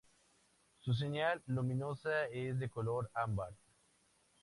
Su señal luminosa es de color ámbar.